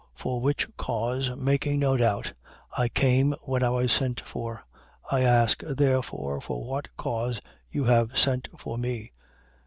10:29. For which cause, making no doubt, I came when I was sent for. I ask, therefore, for what cause you have sent for me?